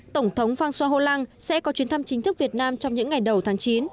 tổng thống phan xoa hồ lăng sẽ có chuyến thăm chính thức việt nam trong những ngày đầu tháng chín